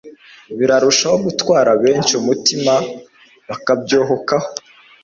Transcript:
birarushaho gutwara benshi umutima, bakabyohokaho